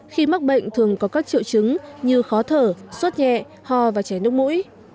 khi mắc bệnh thường có các triệu chứng như khó thở sốt nhẹ ho và chảy nước mũi